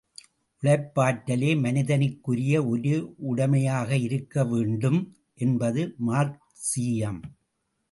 உழைப்பாற்றலே மனிதனுக்குரிய ஒரே உடமையாக இருக்க வேண்டும், என்பது மார்க்சீயம்.